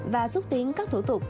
và xúc tiến các thủ tục